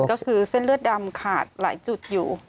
ก็คือเส้นเลือดดำขาดหลายจุดอยู่